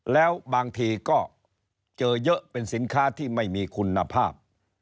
แล้วบางทีก็เจอเยอะเป็นสินค้าที่ไม่มีคุณภาพ